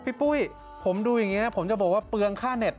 ปุ้ยผมดูอย่างนี้นะผมจะบอกว่าเปลืองค่าเน็ต